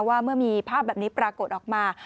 ว่าเมื่อมีภาพแบบนี้ปรากฏออกมา